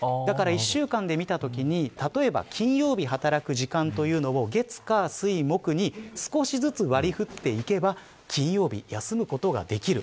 １週間で見たときに、例えば金曜日に働く時間を月火水木に少しずつ割り振っていけば金曜日休むことができる。